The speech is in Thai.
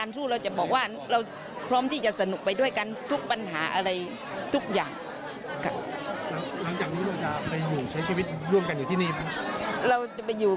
คุณผู้ชมฮะสักขีพญานแห่งความรักมีเยอะแยะเลยนะ